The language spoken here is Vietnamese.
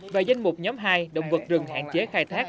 và danh mục nhóm hai động vật rừng hạn chế khai thác